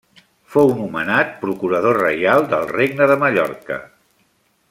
Fou nomenat procurador reial del Regne de Mallorca.